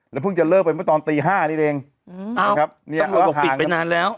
แล้วเพิ่งจะเลิกไปเมื่อตอนตีห้านี่แหลงอ้าวตำรวจก็ปิดไปนานแล้ว